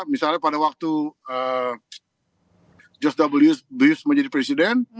misalnya pada waktu george w bush menjadi presiden